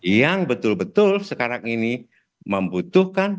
yang betul betul sekarang ini membutuhkan